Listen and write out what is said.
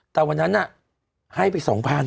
แต่วันนั้นให้ไป๒๐๐๐